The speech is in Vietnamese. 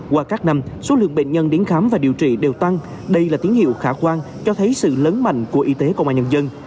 qua các năm số lượng bệnh nhân đến khám và điều trị đều tăng đây là tín hiệu khả quan cho thấy sự lớn mạnh của y tế công an nhân dân